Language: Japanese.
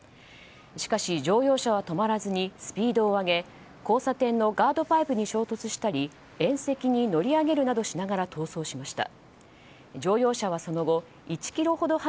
しかし、乗用車は止まらずにスピードを上げ交差点のガードパイプに衝突したり縁石に乗り上げるなどしながら逃走しました。